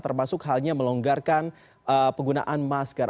termasuk halnya melonggarkan penggunaan masker